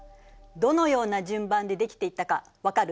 どのような順番でできていったかわかる？